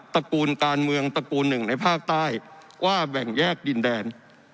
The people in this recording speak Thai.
ระกูลการเมืองตระกูลหนึ่งในภาคใต้ว่าแบ่งแยกดินแดน